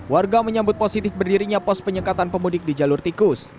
warga menyambut positif berdirinya pos penyekatan pemudik di jalur tikus